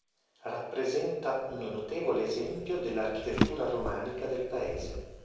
Rappresenta un notevole esempio dell'Architettura romanica del Paese.